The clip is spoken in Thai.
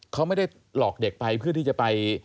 เขาไม่ได้หลอกเด็กไปเพื่อที่จะไป